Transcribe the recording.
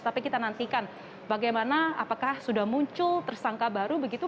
tapi kita nantikan bagaimana apakah sudah muncul tersangka baru begitu